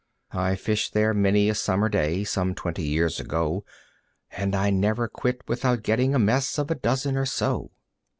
I fished there many a Summer day some twenty years ago, And I never quit without getting a mess of a dozen or so.